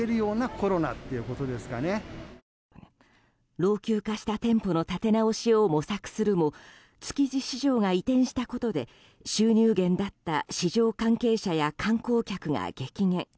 老朽化した店舗の建て直しを模索するも築地市場が移転したことで収入源だった市場関係者や観光客が激減。